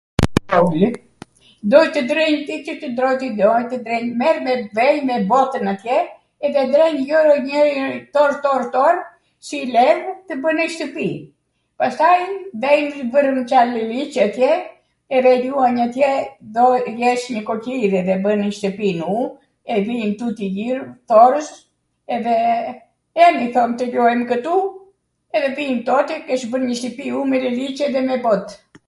doj tw ndrenj ... doj tw ndrenj ... mermw botwn atje edhe ndrenj jo njwri tor tor tor si lengu tw bwnej shtwpi, pastaj vwrwmw ca leliCe atje edhe ljuanj atje, doj tw jesh nikoqire edhe bwnwj shtwpin u, e vij tuti jiro, torwz, edhe eni thom tw ljuajm kwtu, edhe vijn tote, kesh bwnw njw shtwpi u me leliCe dhe me bot.